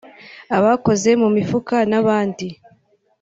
abakoze mu mifuka n’abandi